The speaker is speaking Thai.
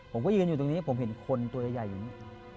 ผมก็ยืนอยู่ตรงนี้ผมเห็นคนตัวใหญ่อยู่นี่